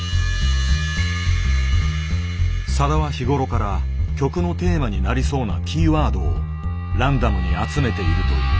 さだは日頃から曲のテーマになりそうなキーワードをランダムに集めているという。